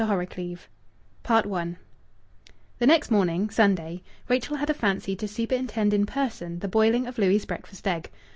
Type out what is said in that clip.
HORROCLEAVE I The next morning, Sunday, Rachel had a fancy to superintend in person the boiling of Louis' breakfast egg.